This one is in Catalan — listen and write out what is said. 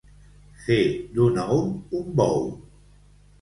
Fer d'un ou un bou.